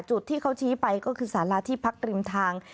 จุดที่เขาชี้ไปคือสหราอาทิบทริมทาง